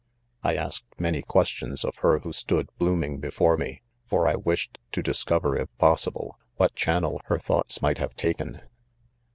I asked many questions of her who stood blooming before 'me, for I wished to discover, if possible, what channel her thoughts might have taken.